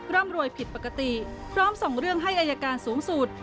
ร่ำรวยผิดปกติพร้อมส่งเรื่องให้อายการสูงสุด